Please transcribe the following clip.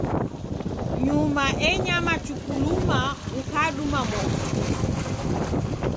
Nyuma enyama chuku luma ukaduma momu.